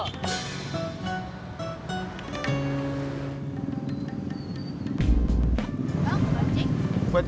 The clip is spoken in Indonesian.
lo mau buat cik